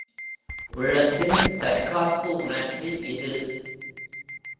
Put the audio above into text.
உள்ளத்தின் தற்காப்பு உணர்ச்சி இது.